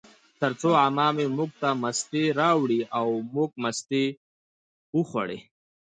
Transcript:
ترڅو عمه مې موږ ته مستې راوړې، او موږ مستې وخوړې